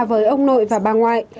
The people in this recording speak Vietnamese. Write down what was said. với ông nội và bà ngoại